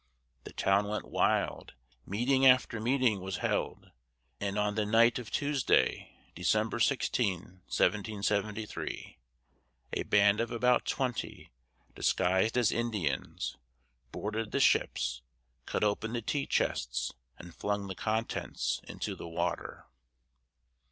The town went wild, meeting after meeting was held, and on the night of Tuesday, December 16, 1773, a band of about twenty, disguised as Indians, boarded the ships, cut open the tea chests and flung the contents into the water.